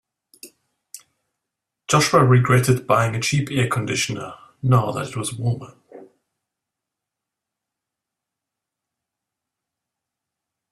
Joshua regretted buying a cheap air conditioner now that it was warmer.